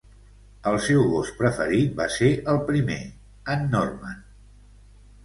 El seu gos preferit va ser el primer, en Norman.